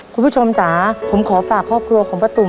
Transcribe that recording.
คุณผู้ชมจ๋าผมขอฝากครอบครัวของป้าตุ๋ม